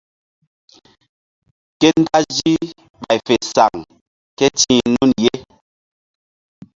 Ke dazi bay fe saŋ kéti̧h nun ye.